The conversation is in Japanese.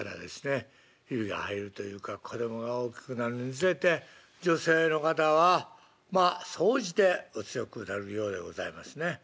ヒビが入るというか子供が大きくなるにつれて女性の方はまあ総じてお強くなるようでございますね。